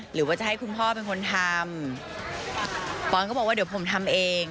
หรือว่าจะให้คุณพ่อเป็นคนทำปอนก็บอกว่าเดี๋ยวผมทำเอง